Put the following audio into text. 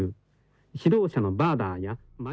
指導者のバーダーや」。